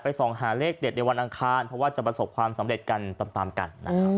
ส่องหาเลขเด็ดในวันอังคารเพราะว่าจะประสบความสำเร็จกันตามกันนะครับ